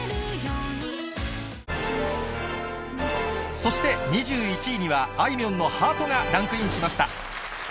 そして２１位には、あいみょんのハートがランクインしました。